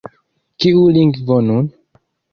Kiu lingvo nun?